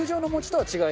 はい。